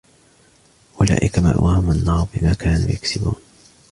أولئك مأواهم النار بما كانوا يكسبون